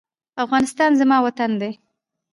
افغانستان زما وطن دی.